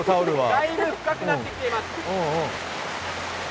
だいぶ深くなってきています。